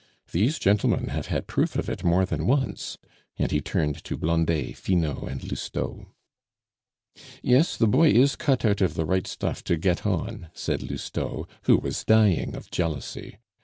These gentlemen have had proof of it more than once," and he turned to Blondet, Finot, and Lousteau. "Yes, the boy is cut out of the right stuff to get on," said Lousteau, who was dying of jealousy.